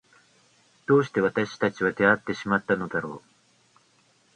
どうして私たちは出会ってしまったのだろう。